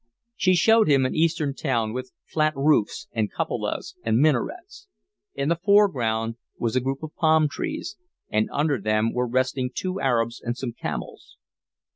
She showed him an Eastern town with flat roofs and cupolas and minarets. In the foreground was a group of palm trees, and under them were resting two Arabs and some camels.